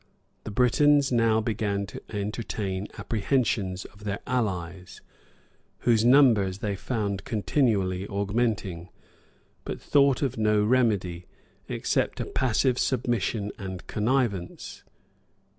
The Britons now began to entertain apprehensions of their allies, whose numbers they found continually augmenting; but thought of no remedy, except a passive submission and connivance.